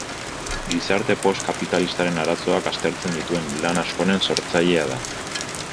Gizarte post-kapitalistaren arazoak aztertzen dituen lan askoren sortzailea da.